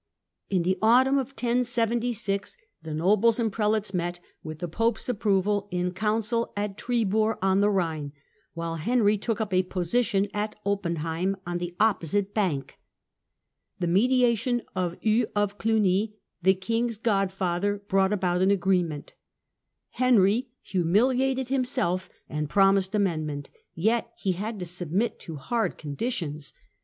In the autumn of 1076 the nobles and prelates met, with the Pope's approval, in Council at Tribur on the Rhine, while Council of .... Tribur, Henry took up a position at Oppenheim, on the opposite io76 bank. The mediation of Hugh of Cluny, the King's god father, brought about an agreement. Henry humiliated himself and promised amendment, yet he had to submit to hard conditions.